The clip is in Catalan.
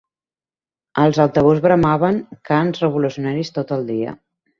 Els altaveus bramaven cants revolucionaris tot el dia